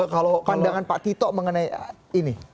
kalau pandangan pak tito mengenai ini